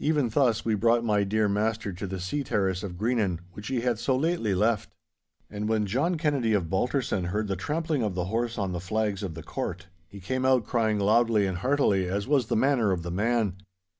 Even thus we brought my dear master to the sea terrace of Greenan which he had so lately left. And when John Kennedy of Balterson heard the trampling of the horse on the flags of the court, he came out crying loudly and heartily as was the manner of the man.